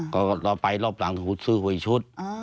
ก็เราไปรอบหลังเขาซื้อหวยชุด